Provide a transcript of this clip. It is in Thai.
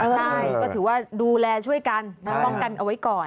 ใช่ก็ถือว่าดูแลช่วยกันป้องกันเอาไว้ก่อน